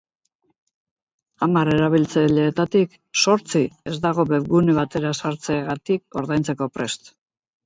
Hamar erabiltzaileetatik zortzi ez dago webgune batera sartzeagatik ordaintzeko prest.